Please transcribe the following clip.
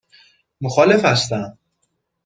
مخالف هستم.